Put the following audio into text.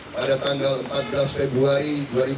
pada tanggal empat belas februari